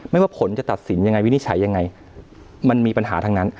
ว่าผลจะตัดสินยังไงวินิจฉัยยังไงมันมีปัญหาทั้งนั้น